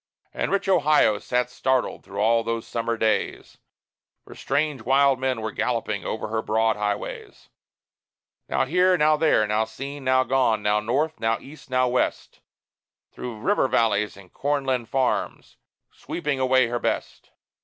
And rich Ohio sat startled through all those summer days; For strange, wild men were galloping over her broad highways Now here, now there, now seen, now gone, now north, now east, now west, Through river valleys and corn land farms, sweeping away her best.